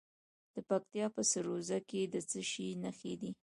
د پکتیکا په سروضه کې د څه شي نښې دي؟